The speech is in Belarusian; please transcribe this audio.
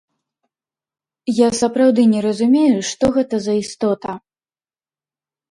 Я сапраўды не разумею, што гэта за істота.